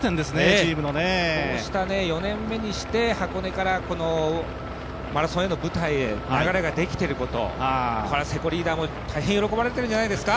こうした４年目にして箱根からマラソンへの舞台に流れができていること、これは瀬古リーダーも大変喜ばれているんじゃないですか。